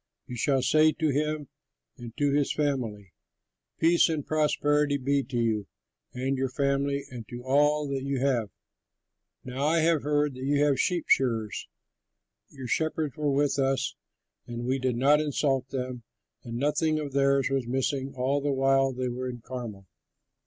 You shall say to him and to his family, 'Peace and prosperity be to you and your family and to all that you have. Now I have heard that you have sheep shearers. Your shepherds were with us, and we did not insult them, and nothing of theirs was missing all the while they were in Carmel.